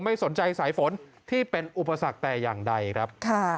ไม่สนใจสายฝนที่เป็นอุปสรรคแต่อย่างใดครับ